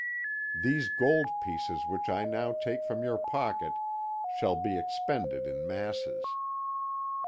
These gold pieces which I now take from your pocket shall be expended in masses.